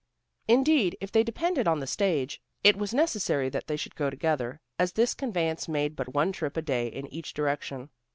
Indeed, if they depended on the stage, it was necessary that they should go together, as this conveyance made but one trip a day in each direction.